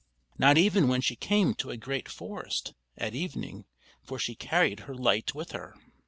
not even when she came to a great forest, at evening; for she carried her light with her.